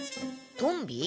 トンビ？